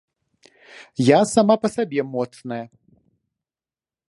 Я сама па сабе моцная.